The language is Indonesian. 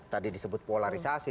tadi disebut polarisasi